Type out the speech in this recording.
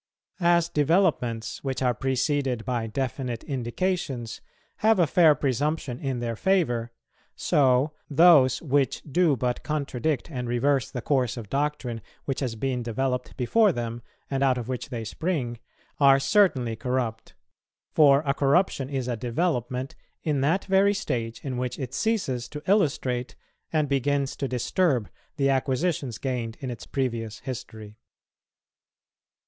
As developments which are preceded by definite indications have a fair presumption in their favour, so those which do but contradict and reverse the course of doctrine which has been developed before them, and out of which they spring, are certainly corrupt; for a corruption is a development in that very stage in which it ceases to illustrate, and begins to disturb, the acquisitions gained in its previous history.